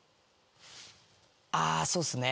あそうっすね。